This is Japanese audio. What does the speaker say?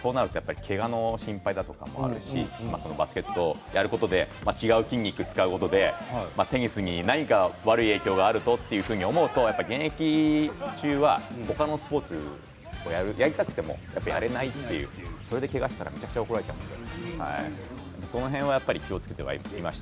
そうなるとやっぱりけがの心配だとかもあるしバスケをやることで違う筋肉を使うことでテニスに何か悪い影響があるかと思うと現役中は他のスポーツやりたくてもやれないそれでけがしたらめちゃくちゃ怒られるその辺は気をつけていました。